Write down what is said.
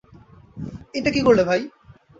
এটা কী করলে ভাই!